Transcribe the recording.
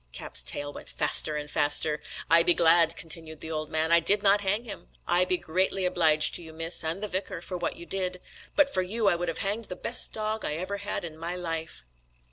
Cap's tail went faster and faster. "I be glad," continued the old man, "I did not hang him. I be greatly obliged to you Miss, and the vicar, for what you did. But for you I would have hanged the best dog I ever had in my life."